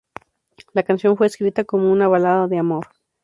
La canción fue escrita como una balada de amor.